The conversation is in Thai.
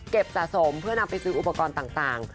สะสมเพื่อนำไปซื้ออุปกรณ์ต่าง